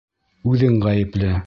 Үҙең ғәйепле!